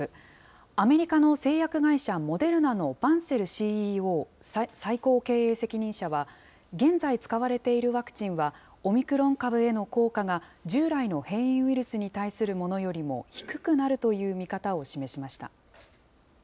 アメリカの製薬会社、モデルナのバンセルＣＥＯ・最高経営責任者は現在使われているワクチンは、オミクロン株への効果が従来の変異ウイルスに対するものよりも低くなるという見方を示しました。